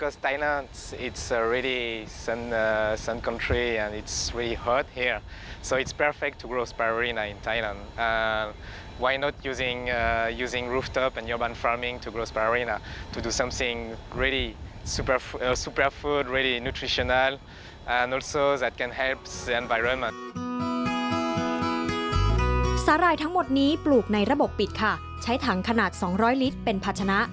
สาหร่ายทั้งหมดนี้ปลูกในระบบปิดค่ะใช้ถังขนาด๒๐๐ลิตรเป็นภาชนะ